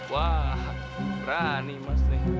wah berani mas nih